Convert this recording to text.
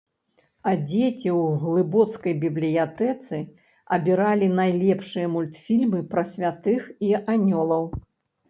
А дзеці ў глыбоцкай бібліятэцы абіралі найлепшыя мультфільмы пра святых і анёлаў.